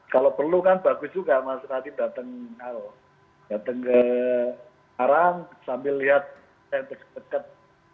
kalau perlu kan bagus juga mas nadi datang ke arang sambil lihat dekat dekat gubernuran mas ganjar